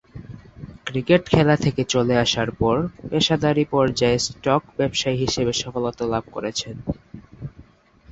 Cricket খেলা থেকে চলে আসার পর পেশাদারী পর্যায়ে স্টক ব্যবসায়ী হিসেবে সফলতা লাভ করেছেন।